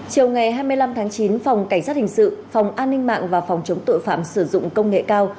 chiều ngày hai mươi năm tháng chín phòng cảnh sát hình sự phòng an ninh mạng và phòng chống tội phạm sử dụng công nghệ cao